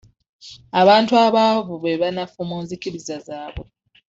Abantu abaavu be banafu mu nzikiriza zaabwe.